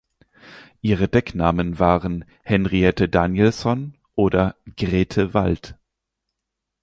Ihre Decknamen waren "Henriette Danielson" oder "Grete Wald".